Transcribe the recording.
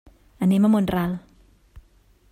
Anem a Mont-ral.